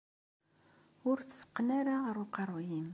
Ur t-tteqqen ara ɣer uqerruy-im.